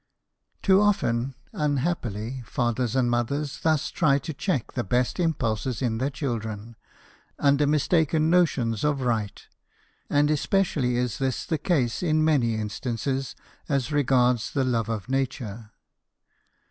Too often, unhappily, fathers and mothers thus try to check the best impulses in their children, under mistaken notions of right, and especially is this the case in many instances as regards the love of nature.